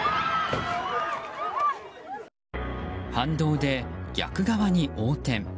反動で逆側に横転。